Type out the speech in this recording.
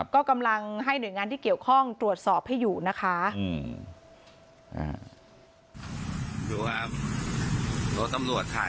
ก็กำลังให้หน่วยงานที่เกี่ยวข้องตรวจสอบให้อยู่นะคะ